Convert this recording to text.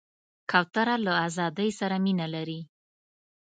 کوتره له آزادۍ سره مینه لري.